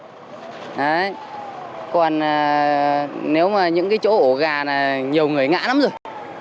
còn nếu mà những cái chỗ ổ gà là nhiều người ngã lắm rồi